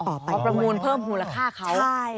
เพราะประมูลเพิ่มคุณราคาเขา